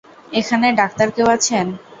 এখানে ডাক্তার কেউ আছেন?